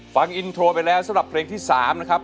ฟังอินโทรไปแล้วสำหรับเพลงที่๓นะครับ